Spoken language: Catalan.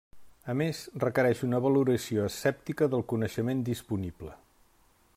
A més, requereix una valoració escèptica del coneixement disponible.